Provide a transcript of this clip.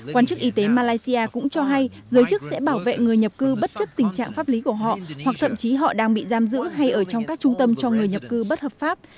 quan chức y tế malaysia cũng cho hay giới chức sẽ bảo vệ người nhập cư bất chấp tình trạng pháp lý của họ hoặc thậm chí họ đang bị giam giữ hay ở trong các trung tâm cho người nhập cư bất hợp pháp